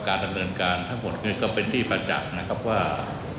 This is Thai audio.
การดำเนินการทั้งหมดเงินก็เป็นที่มาจากนะครับว่า